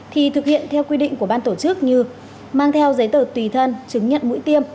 thì thực hiện theo quy định của ban tổ chức như mang theo giấy tờ tùy thân chứng nhận mũi tiêm